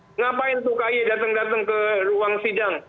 kenapa itu k y datang datang ke ruang sidang